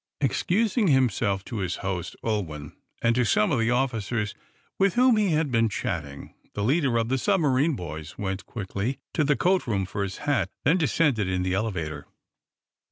Excusing himself to his host, Ulwin, and to some of the officers with whom he had been chatting, the leader of the submarine boys went quickly to the coat room for his hat, then descended in the elevator.